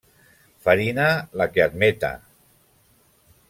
Farina, la que admeta.